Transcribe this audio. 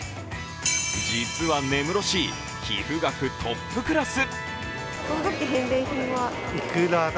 実は根室市、寄付額トップクラス。